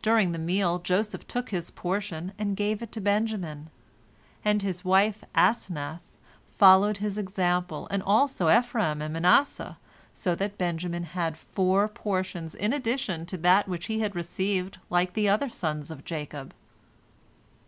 During the meal, Joseph took his portion, and gave it to Benjamin, and his wife Asenath followed his example, and also Ephraim and Manasseh, so that Benjamin had four portions in addition to that which he had received like the other sons of Jacob.